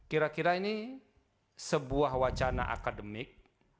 kira kira ini sebuah wacana akademik